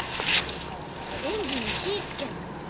エンジンに火つけんの？